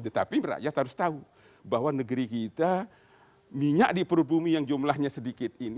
tetapi rakyat harus tahu bahwa negeri kita minyak di perut bumi yang jumlahnya sedikit ini